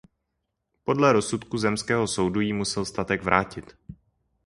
Podle rozsudku zemského soudu jí musel statek vrátit.